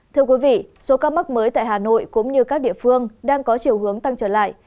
thưa quý vị số ca mắc mới tại hà nội cũng như các địa phương đang có chiều hướng tăng trở lại